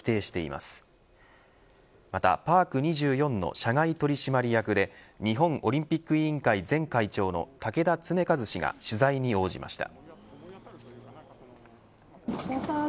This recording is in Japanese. またパーク２４の社外取締役で日本オリンピック委員会前会長の竹田恒和氏が取材に応じました。